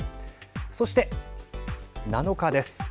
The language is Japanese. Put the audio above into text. そして７日です。